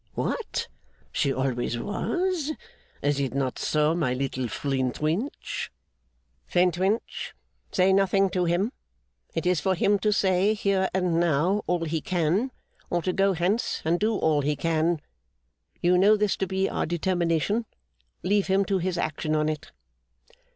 What? She always was; is it not so, my little Flintwinch?' 'Flintwinch, say nothing to him. It is for him to say, here and now, all he can; or to go hence, and do all he can. You know this to be our determination. Leave him to his action on it.